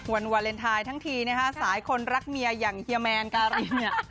วันวาเลนไทยทั้งทีนะคะสายคนรักเมียอย่างเฮียแมนการินเนี่ย